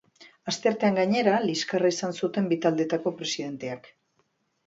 Asteartean, gainera, liskarra izan zuten bi taldeetako presidenteak.